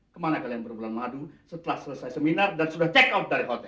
kemana kalian berbulan madu setelah selesai seminar dan sudah check out dari hotel